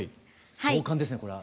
壮観ですねこれは。